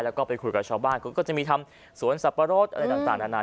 แล้วก็ไปคุยกับชาวบ้านคุณก็จะมีทำสวนสับปะรดอะไรต่างนานา